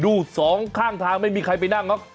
ดูสองข้างทางไม่มีใครไปนั่ง